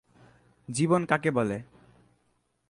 জীবন কাকে বলে?